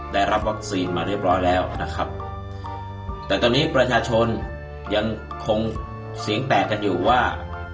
ได้รับวัคซีนมาเรียบร้อยแล้วนะครับแต่ตอนนี้ประชาชนยังคงเสียงแตกกันอยู่ว่า